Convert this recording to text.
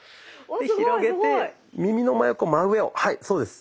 で広げて耳の真横真上をはいそうです。